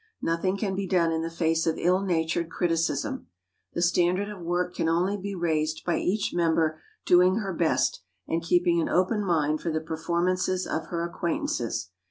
Nothing can be done in the face of ill natured criticism. The standard of work can only be raised by each member doing her best, and keeping an open mind for the performances of her acquaintances.